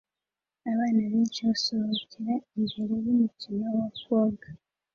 abana benshi basohokera imbere yumukino wa koga